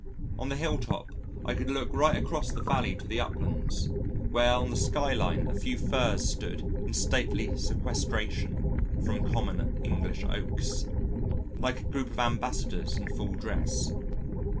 On the hill top, I could look right across the valley to the uplands, where on the sky line a few Firs stood in stately sequestration from common English Oaks, like a group of ambassadors in full dress.